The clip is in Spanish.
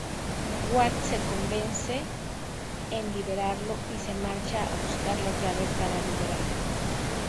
Walt se convence en liberarlo y se marcha a buscar la llave para liberarlo.